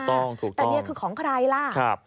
ถูกแต่นี่คือของใครล่ะ